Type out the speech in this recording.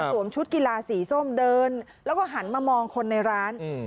ชุดกีฬาสีส้มเดินแล้วก็หันมามองคนในร้าน